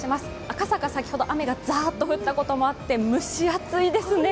赤坂、先ほど雨がザッと降ったこともあって蒸し暑いですね。